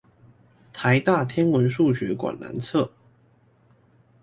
臺大天文數學館南側